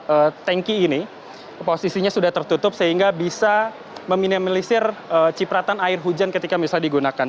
sehingga tanki ini posisinya sudah tertutup sehingga bisa meminimalisir cipratan air hujan ketika misalnya digunakan